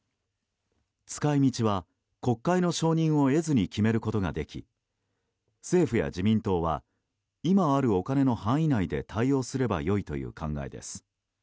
使い道は、国会の承認を得ずに決めることができ政府や自民党は今あるお金の範囲内で対応すればよいという考えです。